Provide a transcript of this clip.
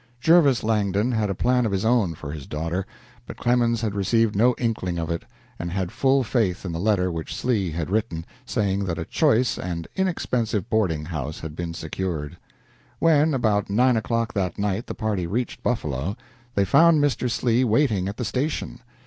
Jervis Langdon had a plan of his own for his daughter, but Clemens had received no inkling of it, and had full faith in the letter which Slee had written, saying that a choice and inexpensive boarding house had been secured. When, about nine o'clock that night, the party reached Buffalo, they found Mr. Slee waiting at the station.